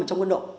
ở trong quân đội